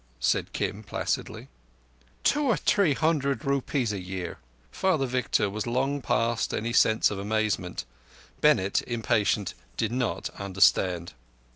said Kim placidly. "Two or three hundred rupees a year." Father Victor was long past any sense of amazement. Bennett, impatient, did not understand.